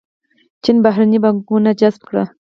چین بهرنۍ پانګونه جذب کړه.